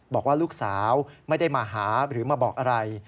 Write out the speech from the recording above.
บอกว่าลูกสาวไม่ได้มาหาหรือมาบอกอะไร